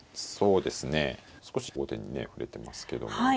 そうですね少し後手にね振れてますけども。